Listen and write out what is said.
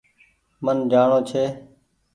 من جآڻونٚ ڇي